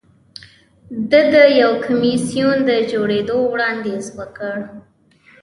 ده د یو کمېسیون د جوړېدو وړاندیز وکړ.